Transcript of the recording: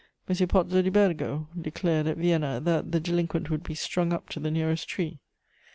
M. Pozzo di Borgo declared at Vienna that the delinquent would be strung up to the nearest tree.